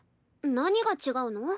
何が違うの？